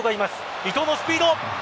伊東のスピード。